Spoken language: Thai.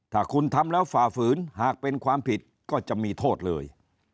ถ้าคุณทำแล้วฝ่าฝืนหากเป็นความผิดก็จะมีโทษเลย